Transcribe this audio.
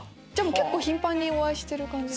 結構頻繁にお会いしてる感じ。